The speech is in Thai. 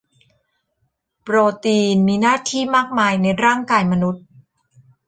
โปรตีนมีหน้าที่มากมายในร่างกายมนุษย์